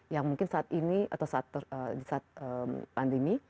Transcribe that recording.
yang mungkin saat ini atau saat pandemi